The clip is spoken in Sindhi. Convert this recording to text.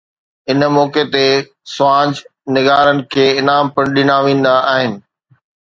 ان موقعي تي سوانح نگارن کي انعام پڻ ڏنا ويندا آهن.